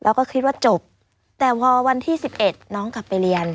แล้วก็คิดว่าจบแต่พอวันที่๑๑น้องกลับไปเรียน